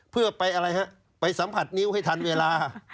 เพื่อไปอะไรฮะไปสัมผัสนิ้วให้ทันเวลา